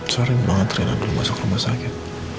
sering banget rina belum masuk rumah sakit